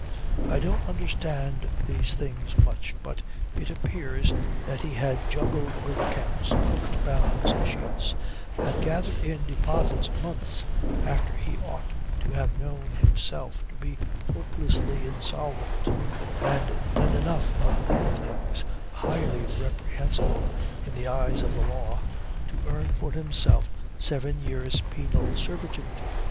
I don't understand these things much, but it appears that he had juggled with accounts, cooked balance sheets, had gathered in deposits months after he ought to have known himself to be hopelessly insolvent, and done enough of other things, highly reprehensible in the eyes of the law, to earn for himself seven years' penal servitude.